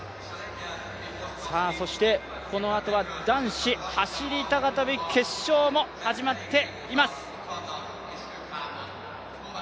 そしてこのあとは男子走高跳決勝も始まっています。